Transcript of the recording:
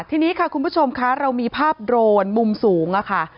ทีนี้ค่ะคุณผู้ชมคะเรามีภาพโดรนมุมสูงค่ะ